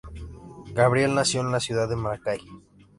Gabriel nació en la ciudad de Maracay.